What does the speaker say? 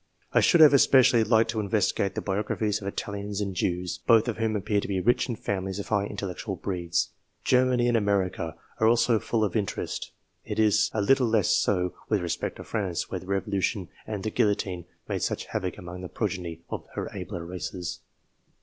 I should have especially liked to investigate the biographies of Italians and Jews, both of B 2 INTRODUCTORY CHAPTER whom appear to be rich in families of high intellectual breeds. Germany and America are also full of interest. It is a little less so with respect to France, where the Revolution and the guillotine made sad havoc among the progeny of her abler races.